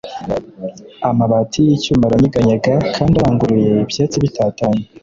amabati y'icyuma aranyeganyega kandi aranguruye, ibyatsi bitatanye